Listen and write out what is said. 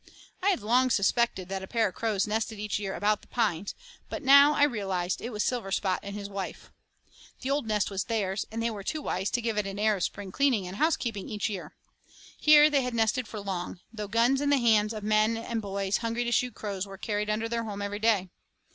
I had long suspected that a pair of crows nested each year about the pines, but now I realized that it was Silverspot and his wife. The old nest was theirs, and they were too wise to give it an air of spring cleaning and housekeeping each year. Here they had nested for long, though guns in the hands of men and boys hungry to shoot crows were carried under their home every day.